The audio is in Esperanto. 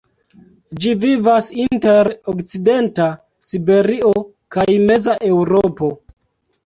Ĝi vivas inter okcidenta Siberio kaj meza Eŭropo.